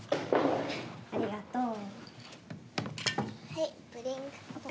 ありがとう。